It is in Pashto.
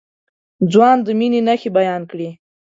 ځوان د مينې نښې بيان کړې.